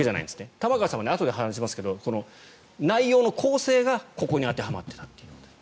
玉川さん、あとで話しますけど内容の構成がここに当てはまっていたという。